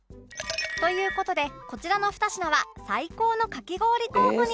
という事でこちらの２品は最高のかき氷候補に